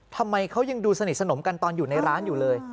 ทำไมเขายังดูสนิทสนมกันตอนอยู่ในร้านอยู่เลย